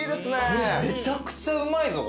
これめちゃくちゃうまいぞ。